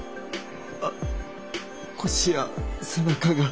あ腰や背中が。